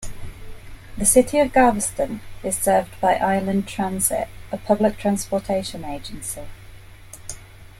The City of Galveston is served by Island Transit, a public transportation agency.